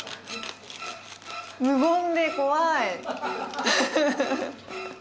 無言で怖い。